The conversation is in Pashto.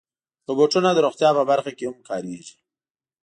روبوټونه د روغتیا په برخه کې هم کارېږي.